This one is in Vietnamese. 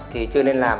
thì chưa nên làm